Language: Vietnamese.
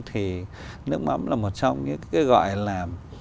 thì nước mắm là một trong những cái gọi là